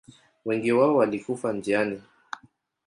Wengi wao walikufa njiani.